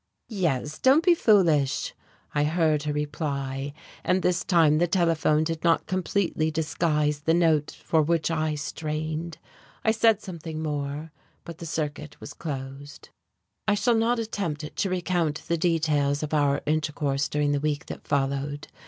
"Yes, don't be foolish," I heard her reply, and this time the telephone did not completely disguise the note for which I strained. I said something more, but the circuit was closed.... I shall not attempt to recount the details of our intercourse during the week that followed.